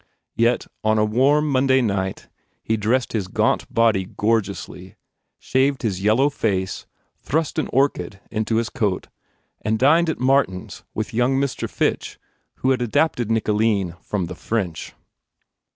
Yet on a warm Monday night he dressed his gaunt body gorgeously, shaved his yellow face, thrust an orchid into his coat and dined at Martin s with young Mr. Fitch who had adapted "Nicoline" from the French.